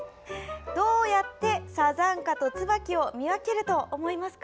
どうやって、サザンカとツバキを見分けると思いますか？